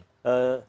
sampai hari ini